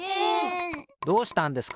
どうしたんですか？